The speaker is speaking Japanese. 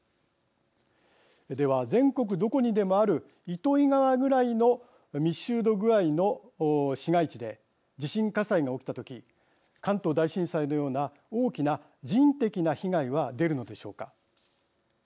では、全国どこにでもある糸魚川ぐらいの密集度具合の市街地で地震火災が起きた時関東大震災のような大きな人的な被害は出るのでしょうか。